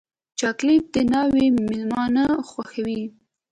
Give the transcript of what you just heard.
چاکلېټ د ناوې مېلمانه خوښوي.